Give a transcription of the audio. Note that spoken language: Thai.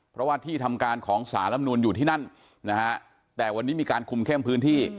เพราะว่าที่ทำการของสารลำนูนอยู่ที่นั่นนะฮะแต่วันนี้มีการคุมเข้มพื้นที่